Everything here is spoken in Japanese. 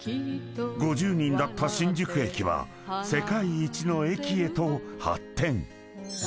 ［５０人だった新宿駅は世界一の駅へと発展］